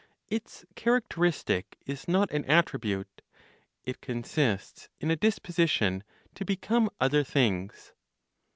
Its characteristic is not an attribute; it consists in a disposition to become other things.